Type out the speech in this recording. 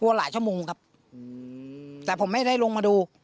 หลายชั่วโมงครับแต่ผมไม่ได้ลงมาดู